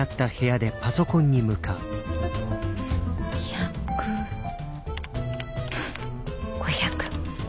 １００５００。